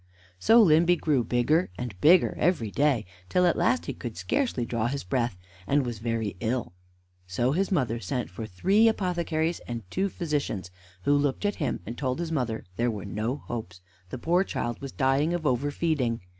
So Limby grew bigger and bigger every day, till at last he could scarcely draw his breath, and was very ill; so his mother sent for three apothecaries and two physicians, who looked at him, and told his mother there were no hopes: the poor child was dying of overfeeding.